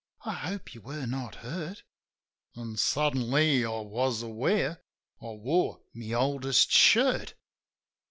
"I hope you were not hurt." An' suddenly I was aware I wore my oldest shirt.